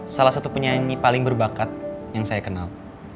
salah satu penyanyi paling berbakat yang saya kenal